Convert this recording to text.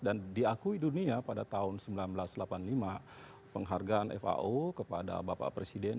dan diakui dunia pada tahun seribu sembilan ratus delapan puluh lima penghargaan fao kepada bapak presiden